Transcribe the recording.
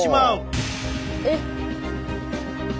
えっ！